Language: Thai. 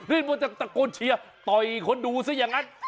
ว่าจะตะโกนเชียร์ต่อยคนดูซะอย่างนั้น